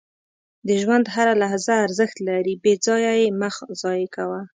• د ژوند هره لحظه ارزښت لري، بې ځایه یې مه ضایع کوه.